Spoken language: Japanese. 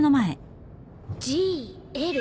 ＧＬ。